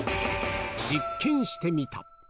実験してみた。